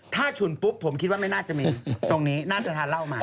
ถ้าฉุนปุ๊บผมคิดว่าไม่น่าจะมีตรงนี้น่าจะทานเหล้ามา